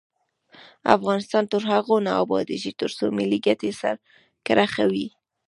افغانستان تر هغو نه ابادیږي، ترڅو ملي ګټې سر کرښه وي.